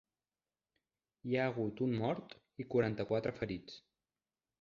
Hi ha hagut un mort i quaranta-quatre ferits.